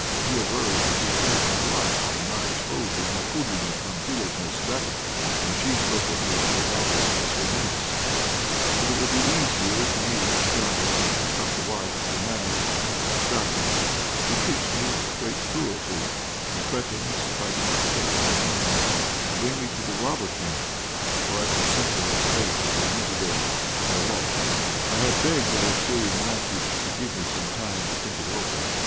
He avers that he saved my life by not exposing Akoulina Pamphilovna's stratagem when she spoke of me to the robbers as her niece, but it would be easier to me to die than to become the wife of a man like Chvabrine. He treats me with great cruelty, and threatens, if I do not change my mind, to bring me to the robber camp, where I should suffer the fate of Elizabeth Kharloff. "I have begged Alexey Iványtch to give me some time to think it over.